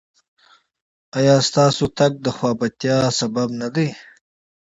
ایا ستاسو تګ د خفګان سبب نه دی؟